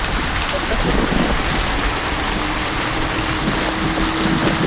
Kwa sasa tunaruhusu mikutano ya ndani ya vyama